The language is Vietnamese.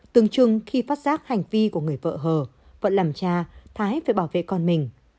từng chung khi phát giác hành vi của người vợ hờ vợ vẫn làm cha thái phải bảo vệ con mình